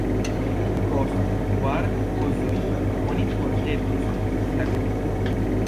Post kvar uzoj, oni forĵetis la kubon.